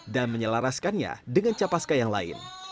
dan menyelaraskannya dengan capaska yang lain